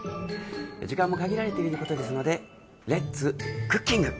時間も限られていることですのでレッツクッキング！